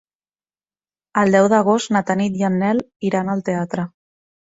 El deu d'agost na Tanit i en Nel iran al teatre.